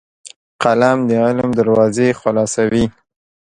قلم د علم دروازې خلاصوي